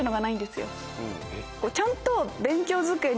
ちゃんと。